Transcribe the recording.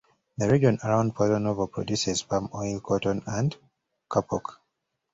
The region around Porto-Novo produces palm oil, cotton and kapok.